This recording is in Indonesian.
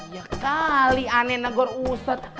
iya kali aneh negor ustadz